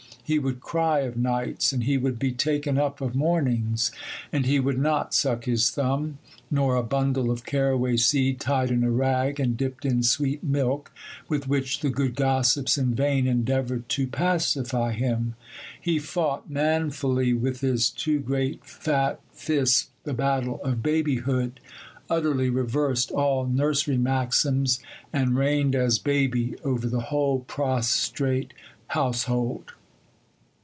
He would cry of nights, and he would be taken up of mornings, and he would not suck his thumb, nor a bundle of caraway seed tied in a rag and dipped in sweet milk, with which the good gossips in vain endeavoured to pacify him. He fought manfully with his two great fat fists the battle of babyhood, utterly reversed all nursery maxims, and reigned as baby over the whole prostrate household.